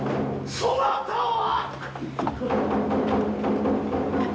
そなたは！？」。